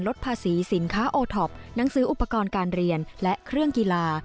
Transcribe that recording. ลดภาษีสินค้าโอท็อปหนังสืออุปกรณ์การเรียนและเครื่องกีฬา